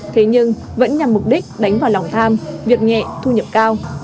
thế nhưng vẫn nhằm mục đích đánh vào lòng tham việc nhẹ thu nhập cao